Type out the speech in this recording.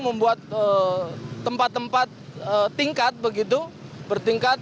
membuat tempat tempat tingkat begitu bertingkat